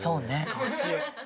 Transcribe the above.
どうしよう。